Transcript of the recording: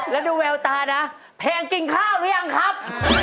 แล้วดูแววตานะเพลงกินข้าวหรือยังครับ